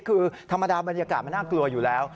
คือธรรมดาบรรยากาศมันน่ากลัวอยู่แล้ว